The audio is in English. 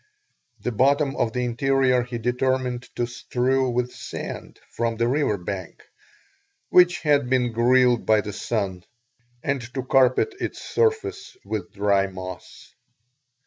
The bottom of the interior he determined to strew with sand from the river bank which had been grilled by the sun, and to carpet its surface with dry moss.